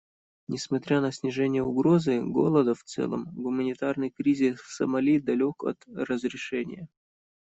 Несмотря на снижение угрозы голода в целом, гуманитарный кризис в Сомали далек от разрешения.